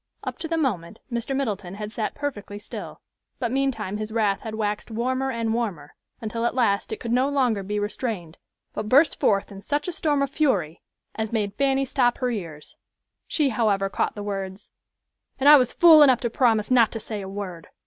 Up to the moment Mr. Middleton had sat perfectly still; but meantime his wrath had waxed warmer and warmer, until at last it could no longer be restrained, but burst forth in such a storm of fury as made Fanny stop her ears. She, however, caught the words, "And I was fool enough to promise not to say a word.